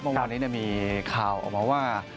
วันนี้มีข่าวออกมาว่า